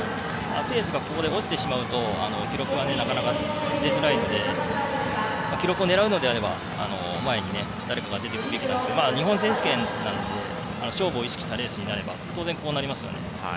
ペースがここで落ちてしまうと記録が出づらいので記録を狙うなら前に誰かが出て行くべきですが日本選手権なので勝負を意識したレースになれば当然こうなりますよね。